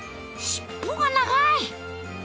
尻尾が長い！